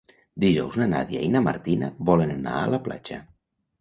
Dijous na Nàdia i na Martina volen anar a la platja.